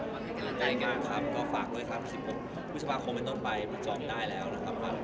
มาให้กำลังใจกันครับก็ฝากด้วยครับ๑๖พฤษภาคมเป็นต้นไปมันจองได้แล้วนะครับ